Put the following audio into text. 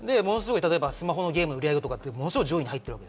スマホのゲームの売り上げとかって、ものすごい上位に入ってる。